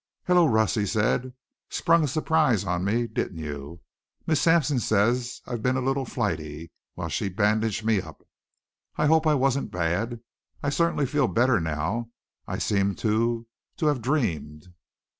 "Hello, Russ," he said. "Sprung a surprise on me, didn't you? Miss Sampson says I've been a little flighty while she bandaged me up. I hope I wasn't bad. I certainly feel better now. I seem to to have dreamed."